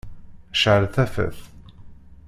Cεel tafat.